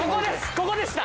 ここでした。